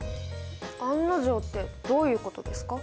案の定ってどういうことですか？